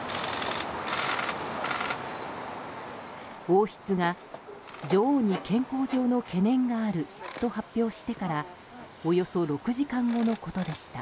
王室が女王に健康上の懸念があると発表してからおよそ６時間後のことでした。